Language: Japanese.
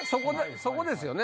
そこですよね